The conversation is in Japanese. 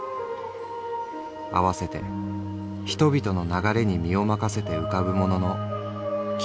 併せて人々の流れに身を任せて浮かぶ者の気楽さも」。